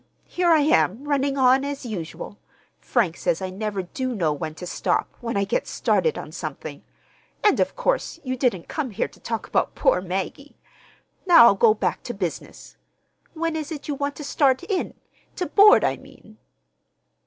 Here I am, running on as usual. Frank says I never do know when to stop, when I get started on something; and of course you didn't come here to talk about poor Maggie. Now I'll go back to business. When is it you want to start in—to board, I mean?"